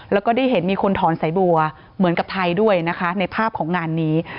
แล้วก็ได้เห็นมีคนถอนสายบัวเหมือนกับไทยด้วยนะคะในภาพของงานนี้